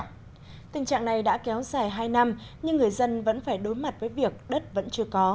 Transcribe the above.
tình trạng này đã kéo dài hai năm nhưng người dân vẫn phải đối mặt với việc đất vẫn chưa có